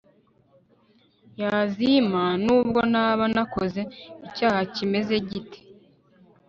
yazimpa nubwo naba nakoze icyaha kimeze gite